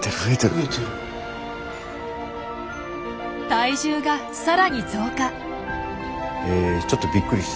体重がさらに増加！